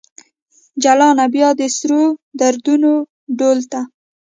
جلانه ! بیا د سرو دردونو ډول ته